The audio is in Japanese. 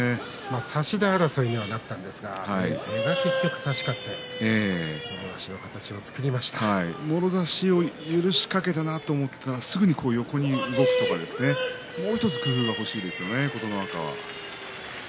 差し手争いにはなったんですが、差し勝ってもろ差しを許しかけたなと思ったらすぐに横に動くとか、もう１つ工夫が欲しいですね、琴ノ若。